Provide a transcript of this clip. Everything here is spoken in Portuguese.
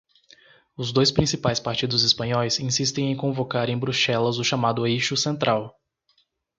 Os dois principais partidos espanhóis insistem em convocar em Bruxelas o chamado eixo central.